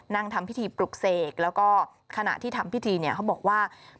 ทำพิธีปลุกเสกแล้วก็ขณะที่ทำพิธีเนี่ยเขาบอกว่า